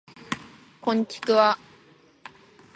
こんちくわ